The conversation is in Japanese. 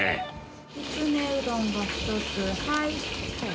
きつねうどんが１つ。